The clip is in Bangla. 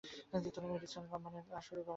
তিনি এডিসন এর কোম্পানিতে কাজ শুরু করেন।